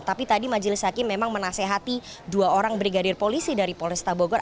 tapi tadi majelis hakim memang menasehati dua orang brigadir polisi dari polresta bogor